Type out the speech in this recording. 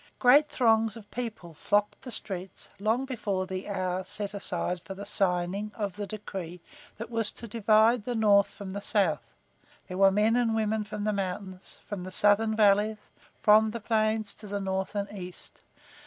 Great throngs of people flocked the streets long before the hour set for the signing of the decree that was to divide the north from the south. There were men and women from the mountains, from the southern valleys, from the plains to the north and east.